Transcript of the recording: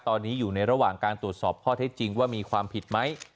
ตอนนี้อยู่ในระหว่างการตรวจสอบข้อเท็จจริงว่ามีความผิดไหม